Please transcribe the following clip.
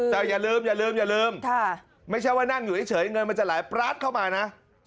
แต่อย่าลืมไม่ใช่ว่านั่งอยู่เฉยเงินมันจะหลายปลาดเข้ามานะ